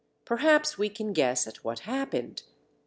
Perhaps we can guess at what happened.